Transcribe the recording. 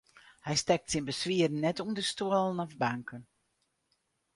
Hy stekt syn beswieren net ûnder stuollen en banken.